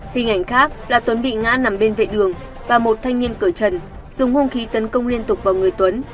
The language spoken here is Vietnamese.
hình ảnh khác là tuấn bị ngã nằm bên vệ đường và một thanh niên cỡ trần dùng hung khí tấn công liên tục vào người tuấn